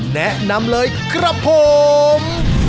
แนะนำเลยครับผม